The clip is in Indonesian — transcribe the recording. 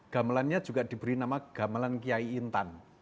gamelannya juga diberi nama gamelan kiai intan